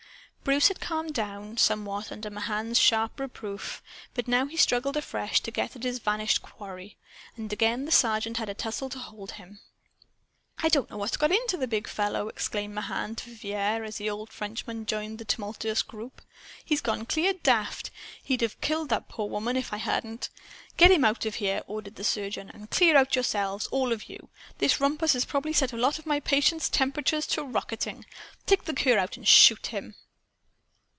Bruce had calmed down somewhat under Mahan's sharp reproof. But he now struggled afresh to get at his vanished quarry. And again the Sergeant had a tussle to hold him. "I don't know what's got into the big fellow!" exclaimed Mahan to Vivier as the old Frenchman joined the tumultuous group. "He's gone clean daft. He'd of killed that poor woman, if I hadn't " "Get him out of here!" ordered the surgeon. "And clear out, yourselves, all of you! This rumpus has probably set a lot of my patients' temperatures to rocketing. Take the cur out and shoot him!"